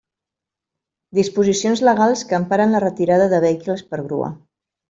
Disposicions legals que emparen la retirada de vehicles per grua.